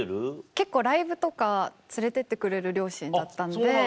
結構ライブとか連れてってくれる両親だったんで。